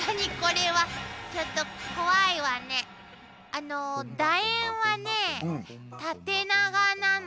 あのだ円はね縦長なの。